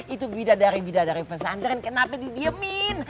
itu bidadari bidadari pesantren kenapa didiemin